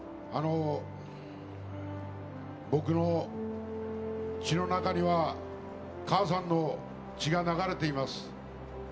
僕の血の中には母さんの血が流れています。